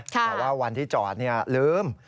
แต่ว่าวันที่จอดลืม